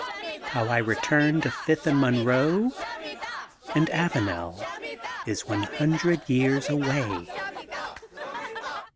HOW I RBTURN TO FIFTH AND MONROB AND ATANBL IS ONB HUNDRBD TBARS AWAT.